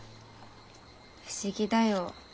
不思議だよ。